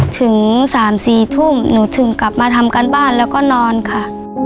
ถึง๓๔ทุ่มหนูถึงกลับมาทำการบ้านแล้วก็นอนค่ะ